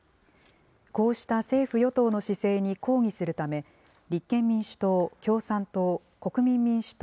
こうした政府・与党の姿勢に抗議するため、立憲民主党、共産党、国民民主党、